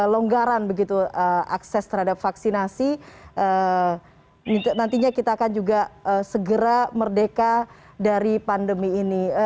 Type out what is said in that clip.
longgaran begitu akses terhadap vaksinasi nantinya kita akan juga segera merdeka dari pandemi ini